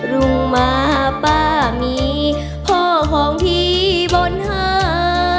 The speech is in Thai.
ลุงมาป้ามีพ่อของพี่บนหา